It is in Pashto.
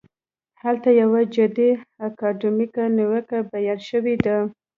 هلته یوه جدي اکاډمیکه نیوکه بیان شوې ده.